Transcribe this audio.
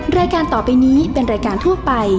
แม่บ้านประจำบ้าน